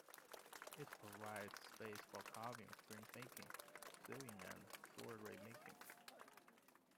It provides space for carving, print making, sewing and jewellery making.